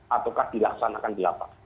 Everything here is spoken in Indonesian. atau dilaksanakan di lapang